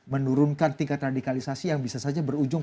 menurunkan tingkat radikalisasi yang bisa saja berujung